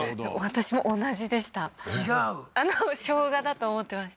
私も同じでした気が合う生姜だと思ってました